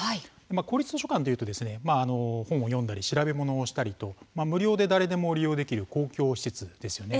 公立図書館というと本を読んだり調べ物をしたりと無料で誰でも利用できる公共施設ですね。